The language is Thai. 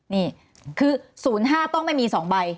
นี่คือ๐๕ต้องไม่มี๒ใบ